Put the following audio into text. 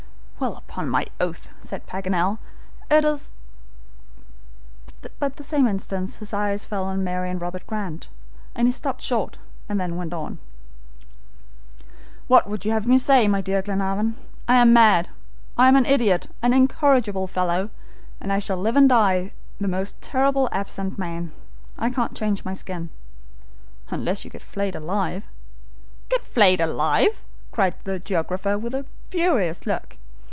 "Well, upon my oath," said Paganel, "it is " But the same instant his eyes fell on Mary and Robert Grant, and he stopped short and then went on: "What would you have me say, my dear Glenarvan? I am mad, I am an idiot, an incorrigible fellow, and I shall live and die the most terrible absent man. I can't change my skin." "Unless you get flayed alive." "Get flayed alive!" cried the geographer, with a furious look.